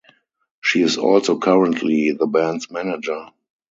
She is also currently the band's manager.